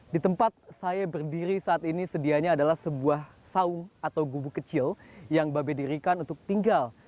di tempat saya berdiri saat ini sedianya adalah sebuah saung atau gubu kecil yang babe dirikan untuk tinggal